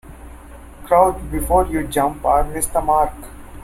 Crouch before you jump or miss the mark.